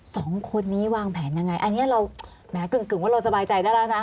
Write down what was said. สองคนนี้วางแผนยังไงอันนี้เราแม้กึ่งว่าเราสบายใจได้แล้วนะ